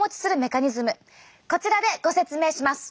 こちらでご説明します！